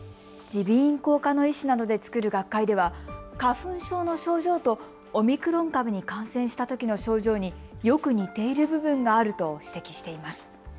耳鼻咽喉科の医師などで作る学会では花粉症の症状とオミクロン株に感染したときの症状によく似ている部分があると指摘しています。